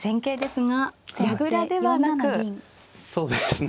そうですね